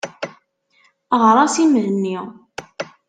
Ɣer-as i Mhenni.